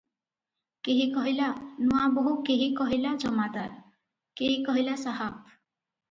କେହି କହିଲା; ନୂଆବୋହୂ କେହି କହିଲା ଜମାଦାର, କେହି କହିଲା ସାହାବ ।